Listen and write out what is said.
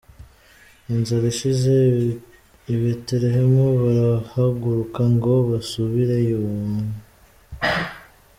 Inzara ishize i Betelehemu, barahaguruka ngo basubiriyeyo.